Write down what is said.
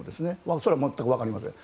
それは全く分かりません。